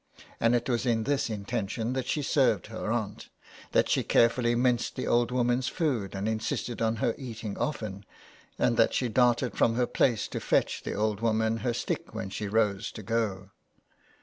And it was in this intention that she served her aunt, that she carefully minced the old woman's food and insisted on her eating often, and that she darted from her place to fetch the old woman her stick when she rose to go.